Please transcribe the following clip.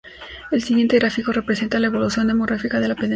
El siguiente gráfico representa la evolución demográfica de la pedanía